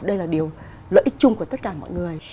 đây là điều lợi ích chung của tất cả mọi người